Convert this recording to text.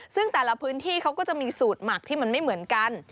ซึ่งก็จะมีสูตรหมักที่ไม่เหมือนกัน